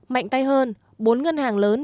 mạnh tay hơn bốn ngân hàng lớn